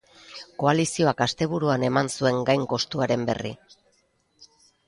Koalizioak asteburuan eman zuen gainkostuaren berri.